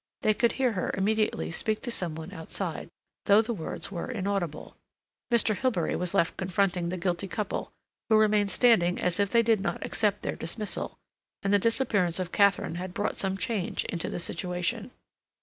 They could hear her immediately speak to some one outside, though the words were inaudible. Mr. Hilbery was left confronting the guilty couple, who remained standing as if they did not accept their dismissal, and the disappearance of Katharine had brought some change into the situation.